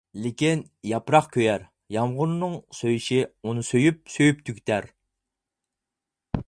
لېكىن ياپراق كۆيەر، يامغۇرنىڭ سۆيۈشى ئۇنى سۆيۈپ، سۆيۈپ تۈگىتەر.